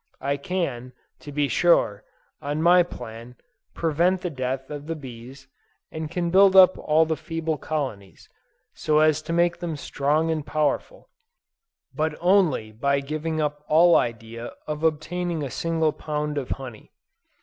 I can, to be sure, on my plan, prevent the death of the bees, and can build up all the feeble colonies, so as to make them strong and powerful: but only by giving up all idea of obtaining a single pound of honey.